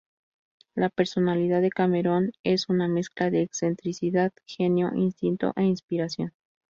La personalidad de Cameron es una mezcla de excentricidad, genio, instinto e inspiración.